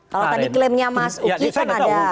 kalau tadi klaimnya mas uki kan ada ya saya nggak tahu